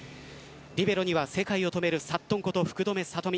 リベロには世界を止めるサットンこと福留慧美。